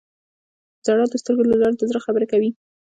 • ژړا د سترګو له لارې د زړه خبرې کوي.